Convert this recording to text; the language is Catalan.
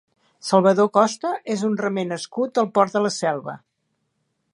Salvador Costa és un remer nascut al Port de la Selva.